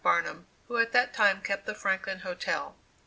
Barnum, who at that time kept the Franklin Hotel.